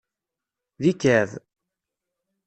D ikɛeb.